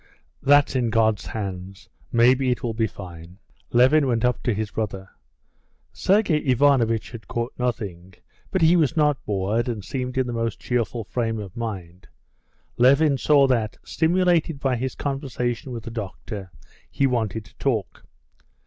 "That's in God's hands. Maybe it will be fine." Levin went up to his brother. Sergey Ivanovitch had caught nothing, but he was not bored, and seemed in the most cheerful frame of mind. Levin saw that, stimulated by his conversation with the doctor, he wanted to talk.